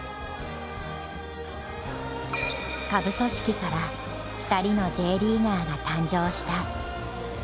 下部組織から２人のＪリーガーが誕生した。